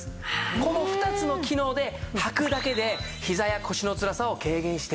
この２つの機能ではくだけでひざや腰のつらさを軽減してくれるんです。